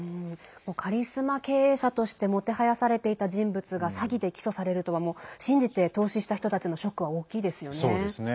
カリスマ経営者としてもてはやされていた人物が詐欺で起訴されるとは信じて投資した人たちのショックは大きいですよね。